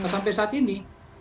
sampai saat ini